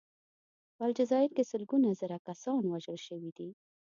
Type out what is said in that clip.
په الجزایر کې سلګونه زره کسان وژل شوي دي.